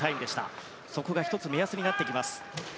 そこが１つ目安になります。